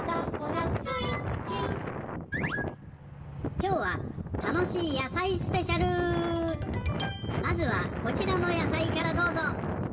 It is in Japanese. きょうはまずはこちらのやさいからどうぞ！